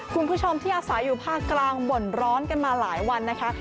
คุณผู้ชมที่อาศัยอยู่ภาคกลางบ่นร้อนกันมาหลายวันนะคะ